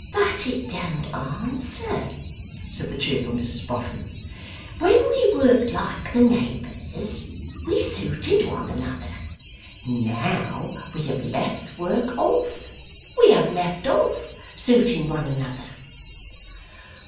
'But it don't answer,' said the cheerful Mrs Boffin. 'When we worked like the neighbours, we suited one another. Now we have left work off; we have left off suiting one another.